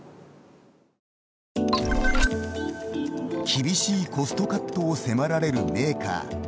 厳しいコストカットを迫られるメーカー。